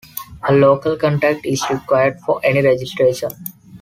A local contact is required for any registration.